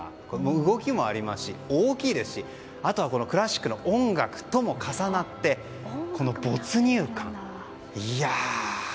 動きもありますし、大きいですしあとはクラシックの音楽とも重なって没入感、いやあ。